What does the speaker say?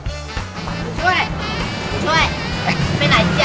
บุญช่วยบุญช่วยไปไหนจ๊ะ